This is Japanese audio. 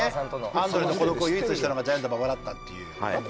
アンドレの孤独を唯一知ってたのがジャイアント馬場だったっていう。